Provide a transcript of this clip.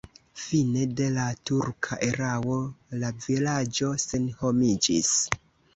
Fine de la turka erao la vilaĝo senhomiĝis.